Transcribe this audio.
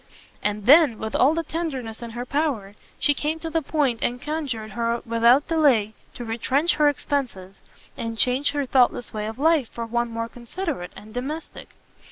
And then, with all the tenderness in her power, she came to the point, and conjured her without delay to retrench her expences, and change her thoughtless way of life for one more considerate and domestic.